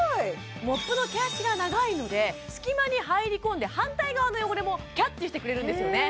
モップの毛足が長いので隙間に入り込んで反対側の汚れもキャッチしてくれるんですよね